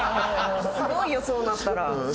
すごいよそうなったら。